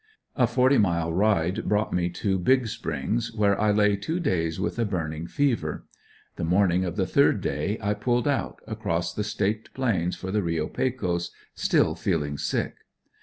A forty mile ride brought me to Big Springs, where I lay two days with a burning fever. The morning of the third day I pulled out, across the Staked Plains for the Reo Pecos, still feeling sick.